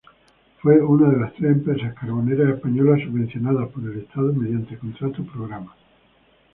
Fue una de las tres empresas carboneras españolas subvencionadas por el Estado mediante contrato-programa.